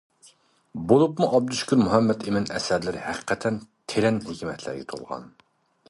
بولۇپمۇ ئابدۇشۈكۈر مۇھەممەتئىمىن ئەسەرلىرى ھەقىقەتەن تېرەن ھېكمەتلەرگە تولغان.